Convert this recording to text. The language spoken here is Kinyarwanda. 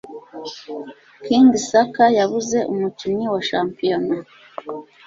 King Saka Yabuze Umukinnyi wa Shampiyona